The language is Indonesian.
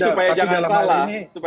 supaya jangan salah